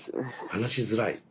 話しづらい？